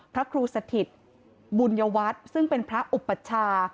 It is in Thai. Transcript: พระครูสถิตบุญยวัฒน์ซึ่งเป็นพระอุปัชชา